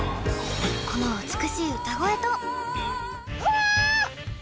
この美しい歌声とハーッ！